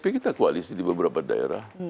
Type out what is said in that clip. tapi kita koalisi di beberapa daerah